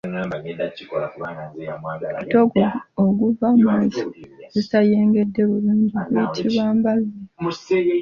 Ate gwo oguva mu ezo ezitayengedde bulungi guyitibwa mbalule.